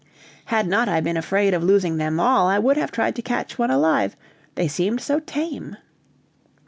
Had not I been afraid of losing them all, I would have tried to catch one alive, they seemed so tame."